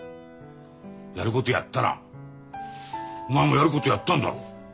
やることやったらお前もやることやったんだろ？